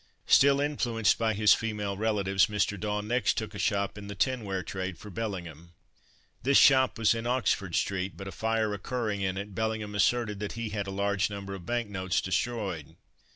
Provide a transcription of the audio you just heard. Still influenced by his female relatives, Mr. Daw next took a shop in the tinware trade for Bellingham. This shop was in Oxford street; but a fire occurring in it, Bellingham asserted that he had a large number of bank notes destroyed.